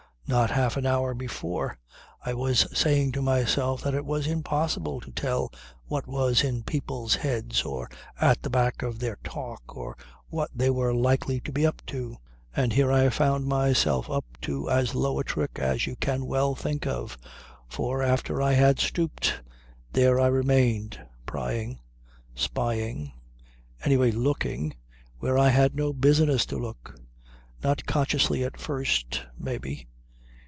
Not half an hour before I was saying to myself that it was impossible to tell what was in people's heads or at the back of their talk, or what they were likely to be up to. And here I found myself up to as low a trick as you can well think of. For, after I had stooped, there I remained prying, spying, anyway looking, where I had no business to look. Not consciously at first, may be.